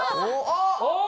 あっ！